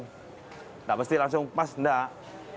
nggak mesti langsung pas enggak